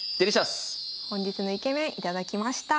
本日のイケメン頂きました。